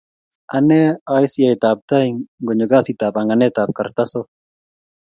anee ai siyet ap tai ngonyo kasit ap panganet ap kartasok